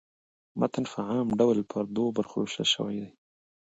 متن په عام ډول پر دوو برخو وېشل سوی.